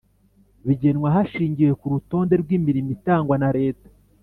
bigenwa hashingiwe ku rutonde rw imirimo itangwa na leta